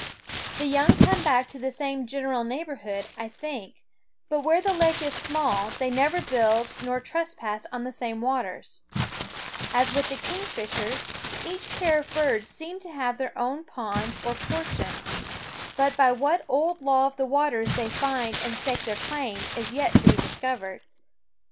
The SCHOOL Of young come back to the same general neigh borhood, I think ; but where the lake is small 84 Ismactues ffte Fishhawk they never build nor trespass on the same waters. As with the kingfishers, each pair of birds seem to have their own pond or por tion ; but by what old law of the waters they find and stake their claim is yet to be dis covered.